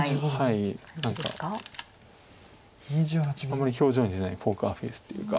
あまり表情に出ないポーカーフェースというか。